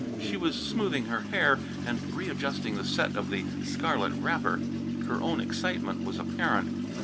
She was smoothing her hair and readjusting the set of the scarlet wrapper. Her own excitement was apparent.